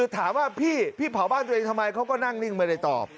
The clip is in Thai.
ถามว่าพี่เผาบ้านตัวเองทำไมเขาก็นั่งนิ่งไม่ได้ตอบ